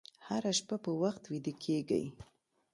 هره شپه په وخت ویده کېږئ.